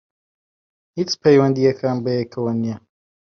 هیچ پەیوەندییەکیان بەیەکەوە نییە